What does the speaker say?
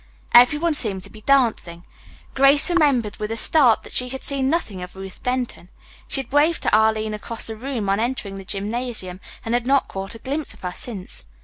Everyone seemed to be dancing. Grace remembered with a start that she had seen nothing of Ruth Denton. She had waved to Arline across the room on entering the gymnasium, and had not caught a glimpse of her since.